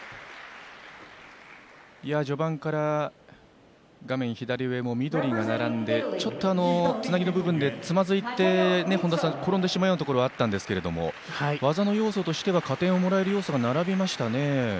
序盤から画面左上も緑が並んでちょっとつなぎの部分でつまずいて、転んでしまうようなところはあったんですけれども技の要素としては加点をもらえる要素が並びました。